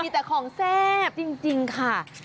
แต่ของแซ่บจริงค่ะ